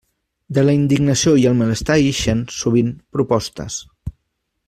De la indignació i el malestar ixen, sovint, propostes.